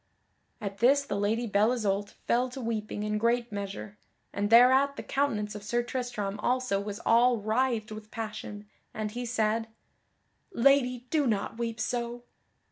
At this the Lady Belle Isoult fell to weeping in great measure, and thereat the countenance of Sir Tristram also was all writhed with passion, and he said, "Lady, do not weep so!"